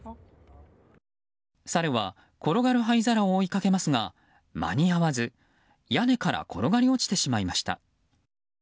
サルは転がる灰皿を追いかけますが間に合わず屋根から転がり落ちてしまいました。